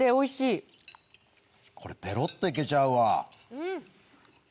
これペロっと行けちゃうわ。